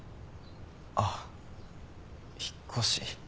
あっ引っ越し。